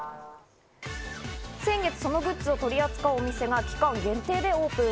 先月、そのグッズを取り扱うお店が期間限定でオープン。